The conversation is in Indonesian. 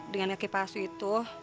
dengan kaki palsu itu